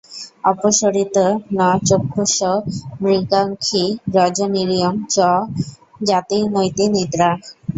অপসরতি ন চক্ষুষো মৃগাক্ষী রজনিরিয়ং চ ন যাতি নৈতি নিদ্রা।